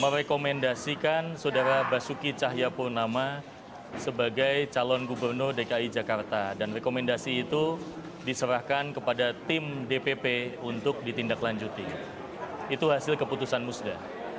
merekomendasikan saudara basuki cahayapurnama sebagai calon gubernur dki jakarta dan rekomendasi itu diserahkan kepada tim dpp untuk ditindaklanjuti itu hasil keputusan musda